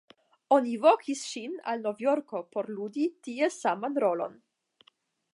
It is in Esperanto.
Oni vokis ŝin al Novjorko por ludi tie saman rolon.